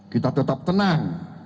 kita tetap tenang